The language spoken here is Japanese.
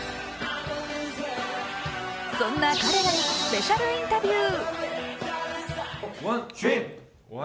そんな彼らにスペシャルインタビュー。